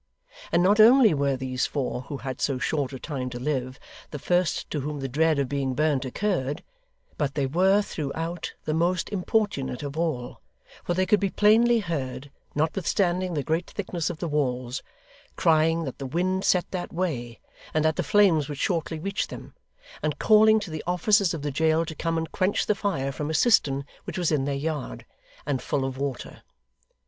And not only were these four who had so short a time to live, the first to whom the dread of being burnt occurred, but they were, throughout, the most importunate of all: for they could be plainly heard, notwithstanding the great thickness of the walls, crying that the wind set that way, and that the flames would shortly reach them; and calling to the officers of the jail to come and quench the fire from a cistern which was in their yard, and full of water.